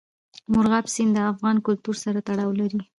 مورغاب سیند د افغان کلتور سره تړاو لري.